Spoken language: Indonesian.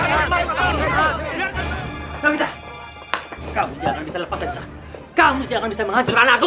kamu tidak akan bisa menghancurkan anakku